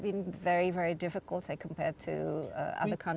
dibandingkan dengan negara lain